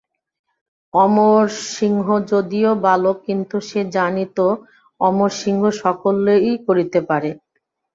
অমরসিংহ যদিও বালক, কিন্তু সে জানিত অমরসিংহ সকলই করিতে পারে।